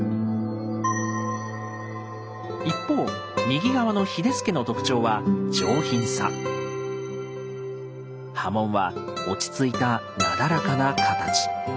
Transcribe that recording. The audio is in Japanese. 一方右側の「秀助」の特徴は刃文は落ち着いたなだらかな形。